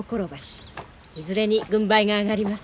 いずれに軍配が上がりますか。